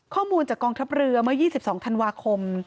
ข้อมูลจากกองทัพเรือเมื่อ๒๒ธันวาคม